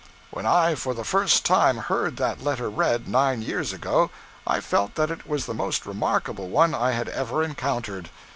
When I for the first time heard that letter read, nine years ago, I felt that it was the most remarkable one I had ever encountered.